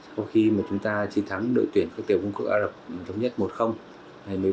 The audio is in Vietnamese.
sau khi mà chúng ta chiến thắng đội tuyển các tiểu vũ quốc ả rập tổng nhất một ngày một mươi bốn một mươi một